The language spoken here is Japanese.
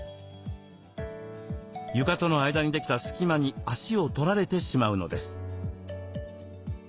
床との間にできた隙間に足を取られてしまうのです。